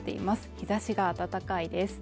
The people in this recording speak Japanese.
日差しが暖かいです。